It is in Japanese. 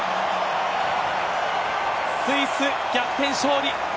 スイス、逆転勝利。